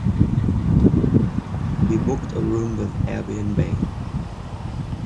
We booked a room with Airbnb.